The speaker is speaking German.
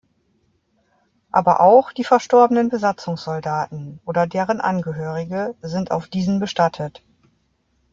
Aber auch die verstorbenen Besatzungssoldaten oder deren Angehörige sind auf diesen bestattet.